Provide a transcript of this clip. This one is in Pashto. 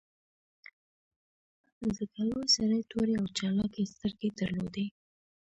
ځکه لوی سړي تورې او چالاکې سترګې درلودې